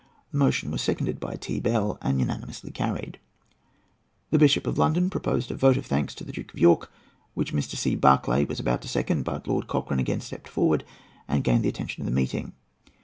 The motion was seconded by Sir T. Bell, and unanimously carried. The Bishop of London proposed a vote of thanks to the Duke of York, which Mr. C. Barclay was about to second, but— Lord Cochrane again stepped forward and gained the attention of the meeting.